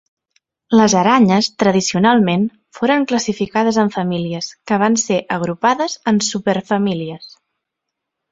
Les aranyes, tradicionalment, foren classificades en famílies que van ser agrupades en superfamílies.